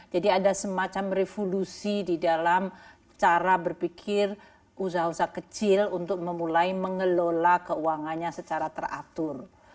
jadi ada semacam revolusi di dalam cara berpikir usaha usaha kecil untuk memulai mengelola keuangannya secara teratur